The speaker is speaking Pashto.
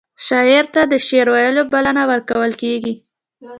شاعر ته د شعر ویلو بلنه ورکول کیږي.